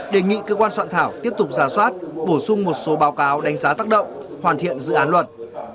đề nghị cơ quan soạn thảo tiếp tục ra soát bổ sung một số báo cáo đánh giá tác động hoàn thiện dự án luật